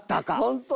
本当。